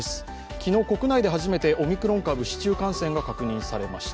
昨日、国内で初めてオミクロン株、市中感染が確認されました。